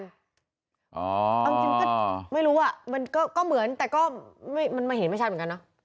เอาจริงก็ไม่รู้อ่ะมันก็เหมือนแต่ก็มันมาเห็นไม่ชัดเหมือนกันเนอะ